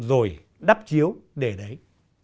rồi đắp chiếu để đấy